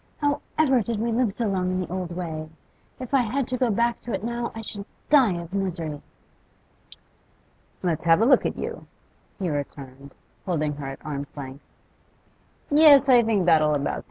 How ever did we live so long in the old way! If I had to go back to it now I should die of misery.' 'Let's have a look at you,' he returned, holding her at arm's length. 'Yes, I think that'll about do.